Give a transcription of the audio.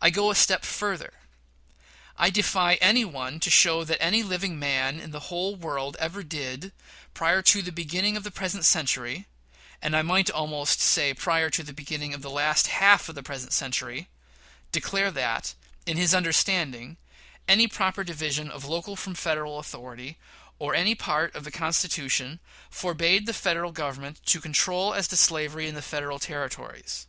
I go a step further. I defy any one to show that any living man in the world ever did, prior to the beginning of the present century (and I might almost say prior to the beginning of the last half of the present century), declare that, in his understanding, any proper division of local from Federal authority, or any part of the Constitution, forbade the Federal Government to control as to slavery in the Federal Territories.